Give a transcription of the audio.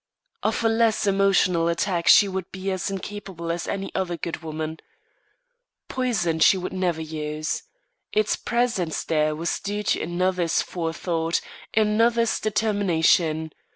Of a less emotional attack she would be as incapable as any other good woman. Poison she would never use. Its presence there was due to another's forethought, another's determination.